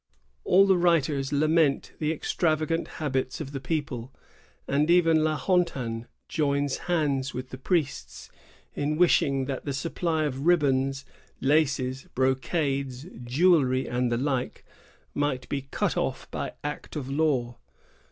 "* All the writers lament the extravagant habits of the people; and even La Hontan joins hands with the priests in wishing that the supply of ribbons, laces, brocades, jewelry, and the like might be cut off by act of law.